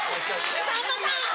さんまさん！